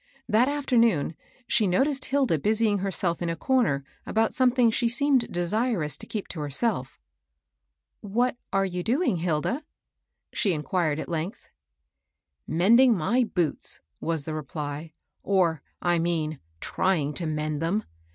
That afternoon she noticed Hilda busying herself in a comer about something she seemed desirous to keep to herself. " What are you doing, Hilda? " she inquired at length. " Mending my boots," was the reply ;" or, I mean, trying to mend them.